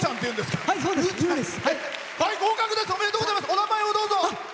お名前を、どうぞ。